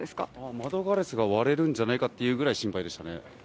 窓ガラスが割れるんじゃないかってぐらい心配でしたね。